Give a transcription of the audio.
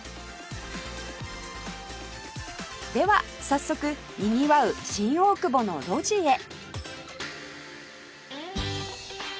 では早速にぎわう新大久保の路地へ